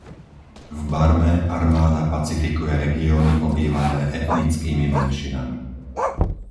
V Barme armáda pacifikuje regióny obývané etnickými menšinami.